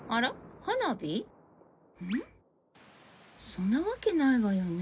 そんなわけないわよね。